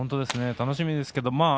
楽しみですね。